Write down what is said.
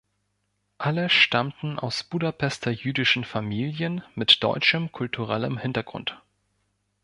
Alle stammten aus Budapester jüdischen Familien mit deutschem kulturellem Hintergrund.